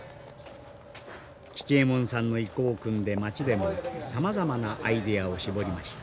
吉右衛門さんの意向をくんで町でもさまざまなアイデアを絞りました。